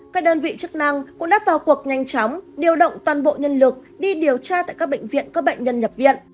các đơn vị chức năng cũng đã vào cuộc nhanh chóng điều động toàn bộ nhân lực đi điều tra tại các bệnh viện có bệnh nhân nhập viện